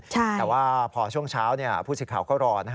แต่ว่าพอช่วงเช้าผู้สิทธิ์ข่าวก็รอ